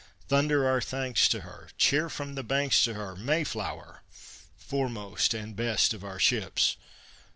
Thunder our thanks to her! Cheer from the banks to her! Mayflower! Foremost and best of our ships!